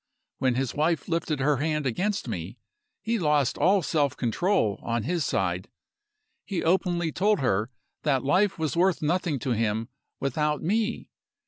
When his wife lifted her hand against me, he lost all self control, on his side. He openly told her that life was worth nothing to him without me.